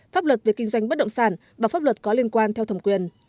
pháp luật về kinh doanh bất động sản và pháp luật có liên quan theo thẩm quyền